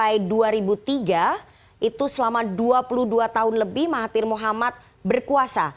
itu selama dua puluh dua tahun lebih mahathir mohamad berkuasa